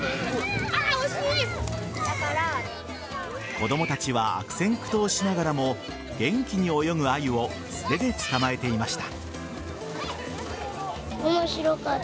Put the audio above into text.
子供たちは悪戦苦闘しながらも元気に泳ぐアユを素手で捕まえていました。